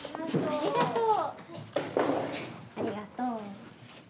ありがとう。